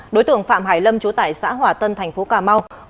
đối tượng phạm hải lâm chú tải xã hòa tân tp cm